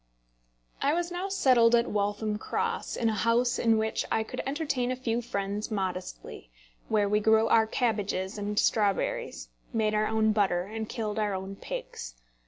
I was now settled at Waltham Cross, in a house in which I could entertain a few friends modestly, where we grew our cabbages and strawberries, made our own butter, and killed our own pigs.